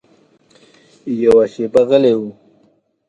یوه شېبه غلی و.